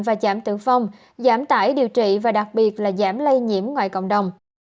và giảm tử vong giảm tải điều trị và đặc biệt là giảm lây nhiễm ngoài cộng đồng